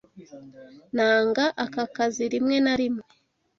Nanga aka kazi rimwe na rimwe.